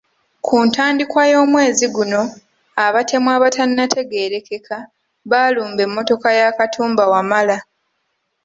Ku ntandikwa y’omwezi guno, abatemu abatannategeerekeka baalumba emmotoka ya Katumba Wamala.